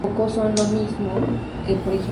Recibe ese apelativo por una leyenda local.